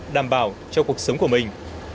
đảm bảo cho cuộc sống của mình